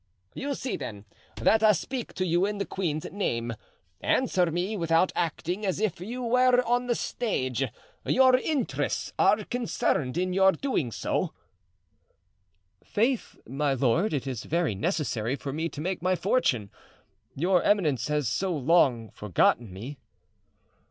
"You see, then, that I speak to you in the queen's name. Answer me without acting as if you were on the stage; your interests are concerned in your so doing." "Faith, my lord, it is very necessary for me to make my fortune, your eminence has so long forgotten me."